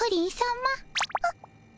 あっ。